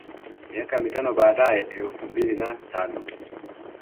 Miaka mitano baadae elfu mbili na tano